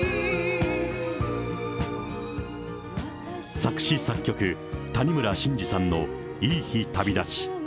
作詞作曲、谷村新司さんのいい日旅立ち。